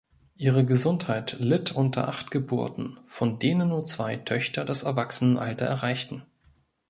Ihre Gesundheit litt unter acht Geburten, von denen nur zwei Töchter das Erwachsenenalter erreichten.